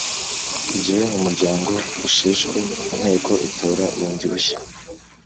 Igihe umuryango usheshwe Inteko itora bundi bushya